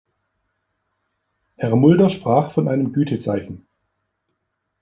Herr Mulder sprach von einem Gütezeichen.